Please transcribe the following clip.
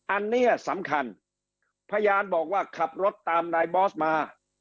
อันนี้สำคัญพยานบอกว่าขับรถตามนายบอสมา